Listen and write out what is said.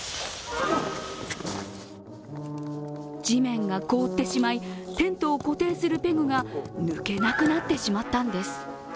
地面が凍ってしまい、テントを固定するペグが抜けなくなってしまったんです。